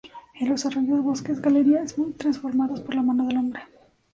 En los arroyos, bosques galería, muy transformados por la mano del hombre.